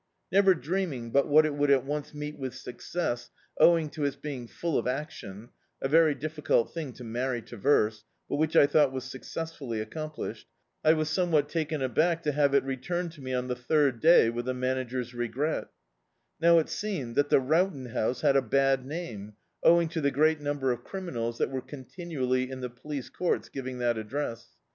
Never dreaming but what it would at once meet with success, owing to its being full of acticoi — a very difficult thing to marry to verse, but which I thought was success fully accomplished — I was somewhat taken aback to have it returned to me on the third day, with the manager's regret Now it seemed that the Row ton House had a bad name, owing to the great num ber of criminals that were continually in the Police Courts giving that address.